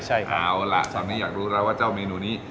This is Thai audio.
ใช่ครับเอาล่ะตอนนี้อยากรู้แล้วว่าเจ้าเมนูนี้